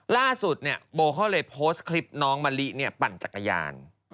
ล่าสุดเนี่ยโบเขาเลยโพสต์คลิปน้องมะลิปปั่นจักรยาน